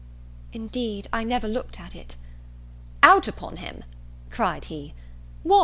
"Indeed I never looked at it." "Out upon him!" cried he; "What!